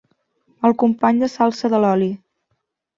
El company de salsa de l'oli.